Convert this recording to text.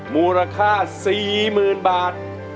มูลค่า๔๐๐๐บาท